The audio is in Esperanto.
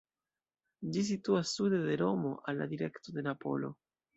Ĝi situas sude de Romo, al la direkto de Napolo.